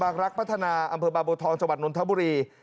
บางรักษ์พัฒนาอำเภอบาปโบทองจวัดนุนทบุรี